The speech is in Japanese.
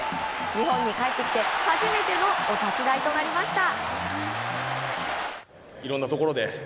日本に帰ってきて初めてのお立ち台となりました。